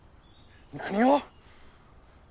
何を！